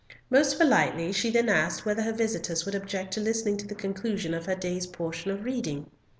Most politely she then asked whether her visitors would object to listening to the conclusion of her day's portion of reading.